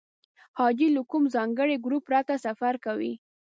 حاجي له کوم ځانګړي ګروپ پرته سفر کوي.